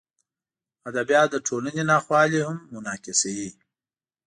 ادبیات د ټولنې ناخوالې هم منعکسوي.